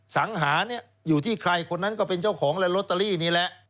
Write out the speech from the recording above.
สังหาเนี่ยอยู่ที่ใครคนนั้นก็เป็นเจ้าของและลอตเตอรี่นี่แหละ